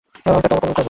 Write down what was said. আমি তার তওবা কবুল করব।